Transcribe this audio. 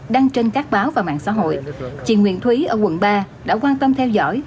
đăng trên các báo và mạng xã hội chị nguyễn thúy ở quận ba đã quan tâm theo dõi